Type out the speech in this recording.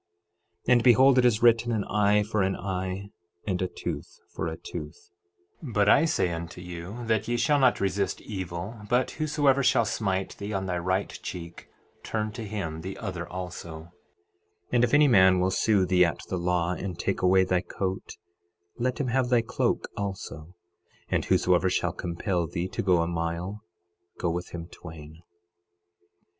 12:38 And behold, it is written, an eye for an eye, and a tooth for a tooth; 12:39 But I say unto you, that ye shall not resist evil, but whosoever shall smite thee on thy right cheek, turn to him the other also; 12:40 And if any man will sue thee at the law and take away thy coat, let him have thy cloak also; 12:41 And whosoever shall compel thee to go a mile, go with him twain.